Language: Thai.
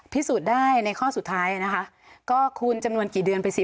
พิสูจน์ได้ในข้อสุดท้ายนะคะก็คูณจำนวนกี่เดือนไปสิ